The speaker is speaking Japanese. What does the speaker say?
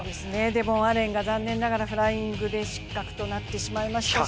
でもアレンが残念ながらフライングで失格となってしまいましたし。